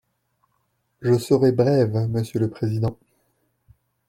Je serai brève, monsieur le président.